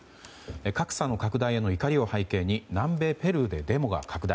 格差の拡大への怒りを背景に南米ペルーでデモが拡大。